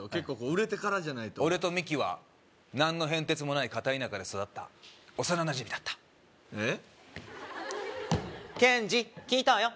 売れてからじゃないと俺とミキは何の変哲もない片田舎で育った幼なじみだったえっケンジ聞いたわよ